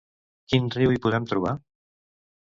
Quin riu hi podem trobar?